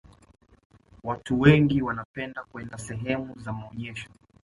watu wengi wanapenda kwenda sehemu za maonyesho